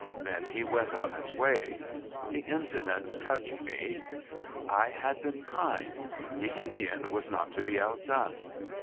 Then he went on his way. The incident touched me. I had been kind. The Indian was not to be outdone.